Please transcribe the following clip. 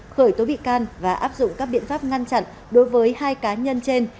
khởi tố bị can và áp dụng các biện pháp ngăn chặn đối với hai cá nhân trên